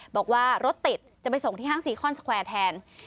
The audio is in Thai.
บอกว่ารถติดจะไปส่งที่ห้างซีคอนสแควร์แทน